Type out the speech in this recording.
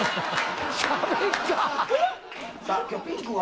「さあ今日ピンクは。